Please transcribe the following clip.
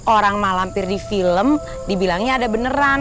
orang mak lampir di film dibilangnya ada beneran